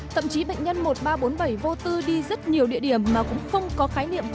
thậm chí bệnh nhân một nghìn ba trăm bốn mươi bảy vô tư đi rất nhiều địa điểm mà cũng không có khái niệm